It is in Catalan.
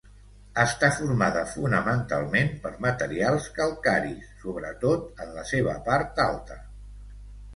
Està formada fonamentalment per materials calcaris, sobretot en la seva part alta.